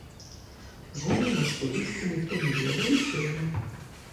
Згублена сувязь, і ніхто не ведае, дзе ён.